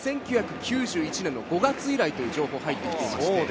１９９１年５月以来という情報が入っています。